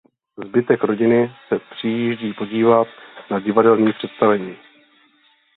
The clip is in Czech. Zbytek rodiny se přijíždí podívat na divadelní představení.